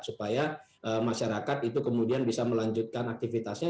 supaya masyarakat itu kemudian bisa melanjutkan aktivitasnya